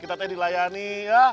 kita tadi dilayani ya